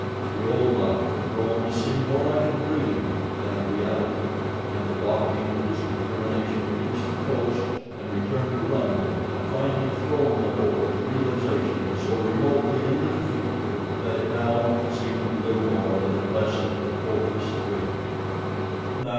The old life had grown to seem more like a dream than a reality, and the balking of his determination to reach the coast and return to London had finally thrown the hope of realization so remotely into the future that it too now seemed little more than a pleasant but hopeless dream.